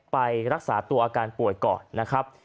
ไปรักษาตัวอาการป่วยก่อนนะครับ